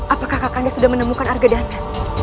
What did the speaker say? apakah kaka anda sudah menemukan arga dana